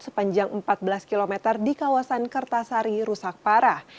sepanjang empat belas km di kawasan kertasari rusak parah